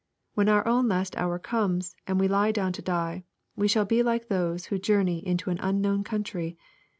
When our own last hour comes, and we lie down to die, we shall be like those who journey into an un known country.